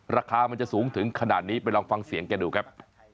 ราคามันจะสูงถึงขนาดนี้ไปลองฟังเสียงแกดูครับ